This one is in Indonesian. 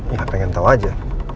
ya pengen tahu aja